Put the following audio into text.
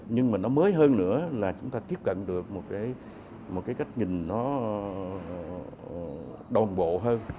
nhưng mà nó mới hơn nữa là chúng ta tiếp cận được một cái cách nhìn nó đồng bộ hơn